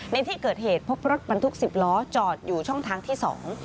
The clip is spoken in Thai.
ในที่เกิดเหตุพบรถบรรทุกสิบล้อจอดอยู่ช่องทางที่สอง